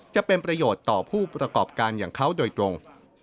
จะเป็นประโยชน์ต่อผู้ประกอบการอย่างเขาโดยตรง